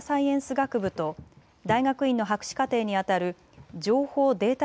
学部と大学院の博士課程にあたる情報・データ